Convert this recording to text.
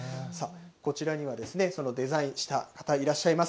こちらにはそのデザインした方がいらっしゃいます。